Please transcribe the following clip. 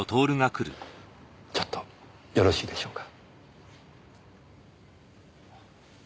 ちょっとよろしいでしょうか。